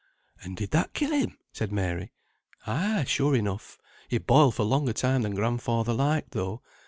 "And did that kill him?" said Mary. "Ay, sure enough; he boiled for longer time than grandfather liked though.